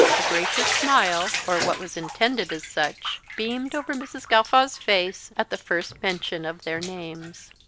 A gracious smile, or what was intended as such, beamed over Mrs. Gawffaw's face at first mention of their names.